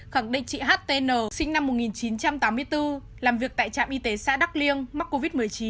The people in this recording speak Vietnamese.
khẳng định chị htn sinh năm một nghìn chín trăm tám mươi bốn làm việc tại trạm y tế xã đắk liêng mắc covid một mươi chín